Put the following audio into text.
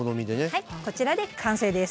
はいこちらで完成です。